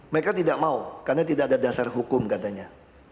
mereka tidak mau karena tidak ada dasar hukum katanya